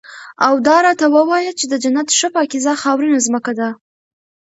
او دا ورته ووايه چې د جنت ښه پاکيزه خاورينه زمکه ده